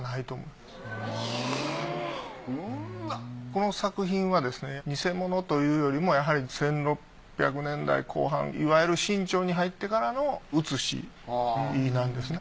この作品はですねニセモノというよりもやはり１６００年代後半いわゆる清朝に入ってからの写しなんですね。